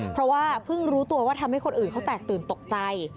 เพราะว่าเพิ่งรู้ตัวว่าทำให้คนอื่นเขาแตกตื่นตกใจ